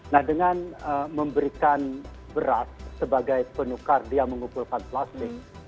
nah dengan memberikan beras sebagai penukar dia mengumpulkan plastik